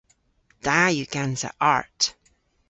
Da yw gansa art.